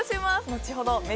後ほどね。